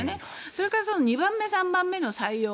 それから２番目、３番目の採用。